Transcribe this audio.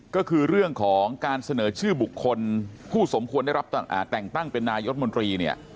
ก็คือเรื่องของการเสนอชื่อบุคคลผู้สมควรได้รับแต่งตั้งเป็นนายรัฐมนตรีเนี่ย